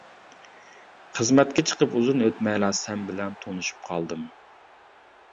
خىزمەتكە چىقىپ ئۇزۇن ئۆتمەيلا سەن بىلەن تونۇشۇپ قالدىم.